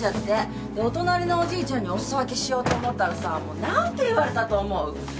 でお隣のおじいちゃんにお裾分けしようと思ったらさもう何て言われたと思う？